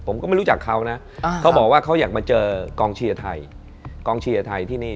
ผมก็ไม่รู้จักเขานะเขาบอกว่าเขาอยากมาเจอกองเชียร์ไทยกองเชียร์ไทยที่นี่